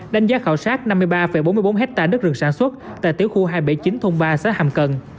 đánh giá khảo sát năm mươi ba bốn mươi bốn hectare đất rừng sản xuất tại tiểu khu hai trăm bảy mươi chín thôn ba xã hàm cần